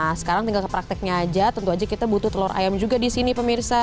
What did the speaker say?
nah sekarang tinggal ke prakteknya aja tentu aja kita butuh telur ayam juga di sini pemirsa